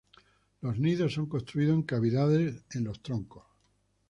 Los nidos son construidos en cavidades en troncos.